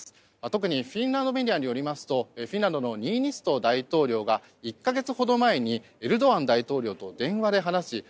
特にフィンランドメディアによりますとフィンランドのニーニスト大統領が１か月ほど前にエルドアン大統領と電話で話し